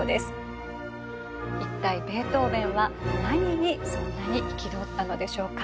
一体ベートーベンは何にそんなに憤ったのでしょうか？